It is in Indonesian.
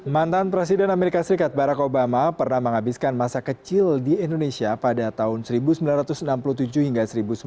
mantan presiden amerika serikat barack obama pernah menghabiskan masa kecil di indonesia pada tahun seribu sembilan ratus enam puluh tujuh hingga seribu sembilan ratus sembilan puluh